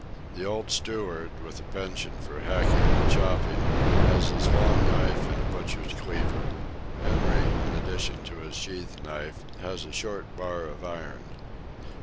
The old steward, with a penchant for hacking and chopping, has his long knife and a butcher's cleaver. Henry, in addition to his sheath knife, has a short bar of iron.